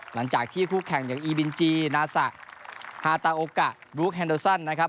หลังจากที่คู่แข่งอย่างอีบินจีนาสะฮาตาโอกะบลูคแฮนโดซันนะครับ